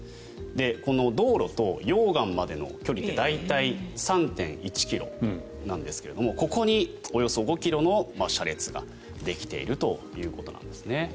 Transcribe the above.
この道路と溶岩までの距離って大体、３．１ｋｍなんですがここにおよそ５ｋｍの車列ができているということなんですね。